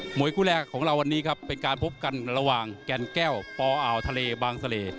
วยคู่แรกของเราวันนี้ครับเป็นการพบกันระหว่างแก่นแก้วปอ่าวทะเลบางเสล่